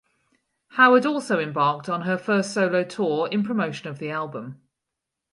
Howard also embarked on her first solo tour in promotion of the album.